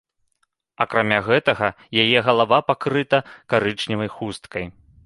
Акрамя гэтага, яе галава пакрыта карычневай хусткай.